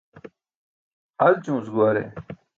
Alćumuc guware.